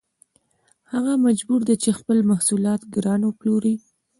هغه مجبور دی چې خپل محصولات ګران وپلوري